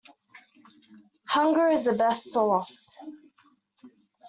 Hunger is the best sauce.